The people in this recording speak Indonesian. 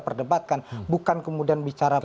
perdebatkan bukan kemudian bicara